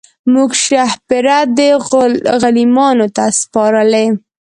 موږ شهپر دی غلیمانو ته سپارلی